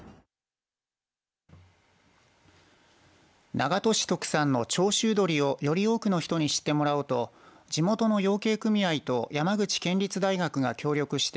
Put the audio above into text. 長門市特産の長州どりをより多くの人に知ってもらおうと地元の養鶏組合と山口県立大学が協力して